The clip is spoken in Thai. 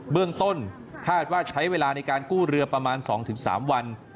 เบื้องต้นคาดว่าใช้เวลาในการกู้เรือประมาณ๒๓วัน